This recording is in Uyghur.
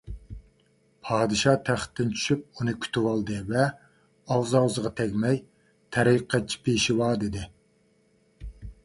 پادىشاھ تەختتىن چۈشۈپ ئۇنى كۈتۈۋالدى ۋە ئاغزى - ئاغزىغا تەگمەي: «تەرىقەتچى پېشۋا!» دېدى.